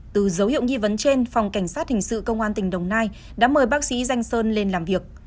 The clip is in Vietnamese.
từ dấu hiệu nghi vấn trên phòng cảnh sát hình sự công an tỉnh đồng nai đã mời bác sĩ danh sơn lên làm việc